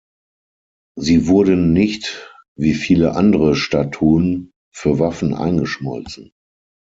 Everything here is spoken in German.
Sie wurden nicht wie viele andere Statuen für Waffen eingeschmolzen.